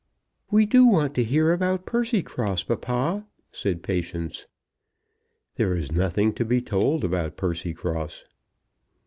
"We do so want to hear about Percycross, papa," said Patience. "There is nothing to be told about Percycross."